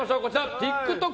ＴｉｋＴｏｋ